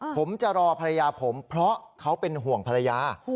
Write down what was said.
ผมจะรอภรรยาผมเพราะเขาเป็นห่วงภรรยา